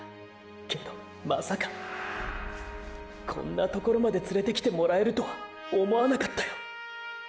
けどまさかこんなところまで連れてきてもらえるとは思わなかったよ。